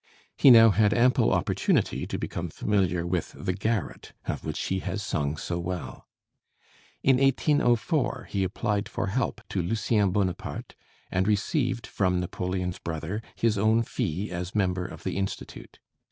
He now had ample opportunity to become familiar with the garret, of which he has sung so well. In 1804 he applied for help to Lucien Bonaparte, and received from Napoleon's brother his own fee as member of the Institute.